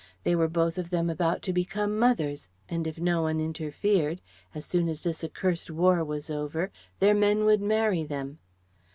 They were both of them about to become mothers, and if no one interfered, as soon as this accursed War was over their men would marry them.